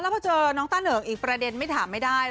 แล้วพอเจอน้องตั้นเอกอีกประเด็นไม่ถามไม่ได้